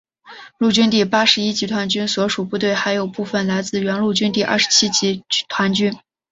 陆军第八十一集团军所属部队还有部分来自原陆军第二十七集团军。